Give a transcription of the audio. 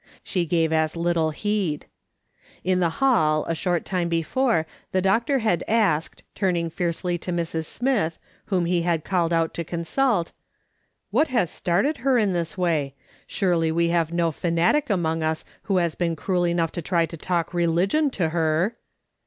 She gave as little heed. In the hall, a short time before, the doctor had asked, turning fiercely to Mrs. Smith, whom he had called out to consult :" "What has started her in this way ? Surely we have no fanatic among us who has been cruel enough to try to talk religion to her